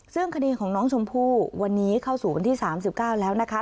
ซึ่งคดีของน้องชมพู่วันนี้เข้าสู่วันที่๓๙แล้วนะคะ